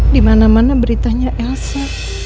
di mana mana beritanya elsa